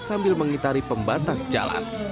sambil mengitari pembatas jalan